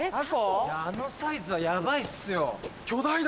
あのサイズはヤバいっすよ。